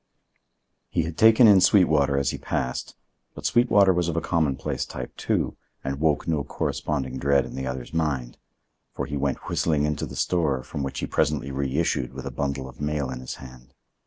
He had taken in Sweetwater as he passed, but Sweetwater was of a commonplace type, too, and woke no corresponding dread in the other's mind; for he went whistling into the store, from which he presently reissued with a bundle of mail in his hand.